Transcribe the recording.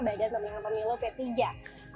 badan pemilu p tiga